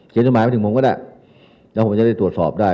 เขียนสมัยมาถึงผมก็ได้แล้วผมจะได้ตรวจสอบได้